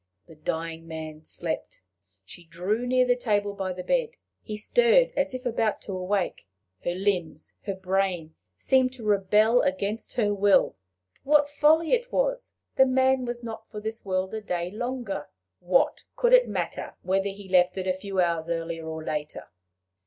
The dying man slept. She drew near the table by the bed. He stirred as if about to awake. Her limbs, her brain seemed to rebel against her will. But what folly it was! the man was not for this world a day longer; what could it matter whether he left it a few hours earlier or later?